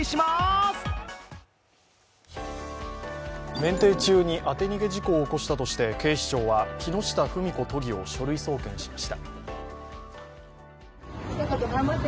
免停中に当て逃げ事故を起こしたとして警視庁は木下富美子都議を書類送検しました。